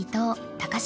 高島。